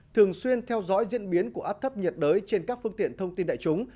thường xuyên theo dõi diễn biến của áp thấp nhiệt đới trên các phương tiện thông tin đại chúng